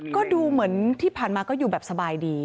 ก็ดูเหมือนที่ผ่านมาก็อยู่แบบสบายดี